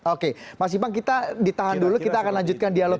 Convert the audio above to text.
oke mas ibang kita ditahan dulu kita akan lanjutkan ke tkn ini ya